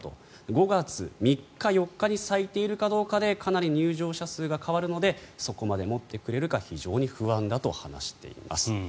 ５月３日、４日に咲いているかどうかでかなり入場者数が変わるのでそこまで持ってくれるか非常に不安だと話しています。